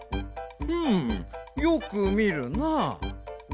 うんよくみるなあ。